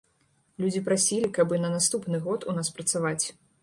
Людзі прасіліся, каб і на наступны год у нас працаваць.